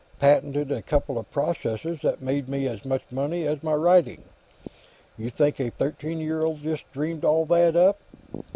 Patented a couple of processes that made me as much money as my writing. You think a thirteen year old just dreamed all that up?